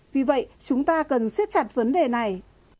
vì vậy chúng ta cần siết chặt vấn đề này